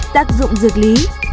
tác dụng dược lý